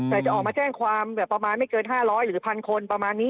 แต่จะออกมาแจ้งความแบบประมาณไม่เกิน๕๐๐หรือพันคนประมาณนี้